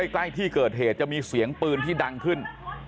ใกล้ที่เกิดเหตุจะมีเสียงปืนที่ดังขึ้น